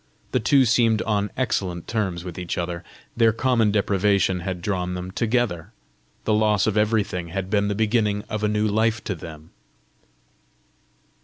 The two seemed on excellent terms with each other. Their common deprivation had drawn them together! the loss of everything had been the beginning of a new life to them!